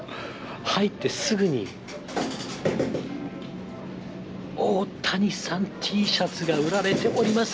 入ってすぐに、大谷さんＴシャツが売られております。